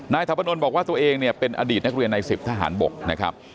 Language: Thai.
ถาพนลบอกว่าตัวเองเนี่ยเป็นอดีตนักเรียนใน๑๐ทหารบกนะครับ